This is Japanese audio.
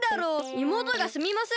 いもうとがすみません。